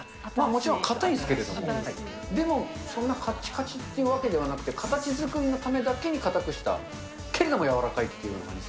もちろん、硬いんですけれども、そんなかっちかちっていうわけではなくて、形作りのためだけに硬くした、けれども柔らかいっていうような感じで。